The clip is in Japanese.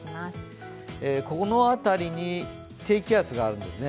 この辺りに低気圧があるんですね。